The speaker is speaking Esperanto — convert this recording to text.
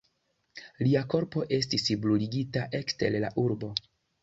Lia korpo estis bruligita ekster la urbo.